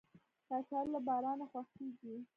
کچالو له بارانه خوښیږي